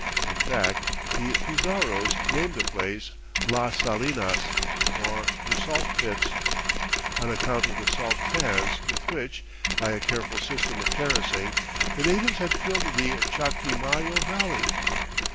In fact, the Pizarros named the place Las Salinas, or "the Salt Pits," on account of the salt pans with which, by a careful system of terracing, the natives had filled the Cachimayo Valley.